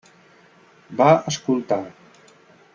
Va escoltar.